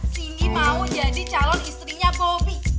sini mau jadi calon istrinya bobi